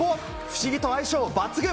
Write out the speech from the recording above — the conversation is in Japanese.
不思議と相性抜群。